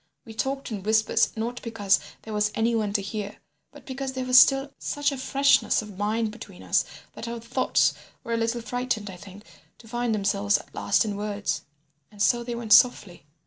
We talked in whispers not because there was any one to hear, but because there was still such a freshness of mind between us that our thoughts were a little frightened, I think, to find themselves at last in words. And so they went softly.